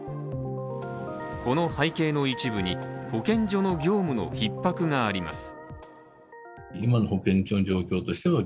この背景の一部に保健所の業務のひっ迫があります。